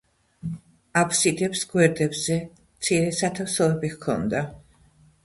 აფსიდებს გვერდებზე მცირე სათავსოები ჰქონდა.